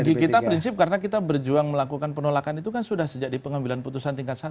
bagi kita prinsip karena kita berjuang melakukan penolakan itu kan sudah sejak di pengambilan putusan tingkat satu